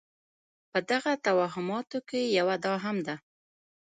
په دغو توهماتو کې یوه دا هم ده.